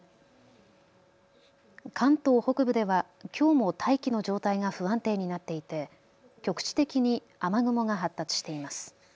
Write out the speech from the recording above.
関東北部ではきょうも大気の状態が不安定になっていて局地的に雨雲が発達しています。